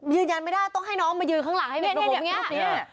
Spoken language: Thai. ยืดยันไม่ได้ต้องให้น้องมายืนข้างหลังให้มีผม